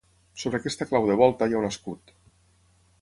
Sobre aquesta clau de volta hi ha un escut.